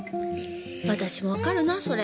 私もわかるなそれ。